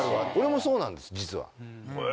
俺もそうなんです実は。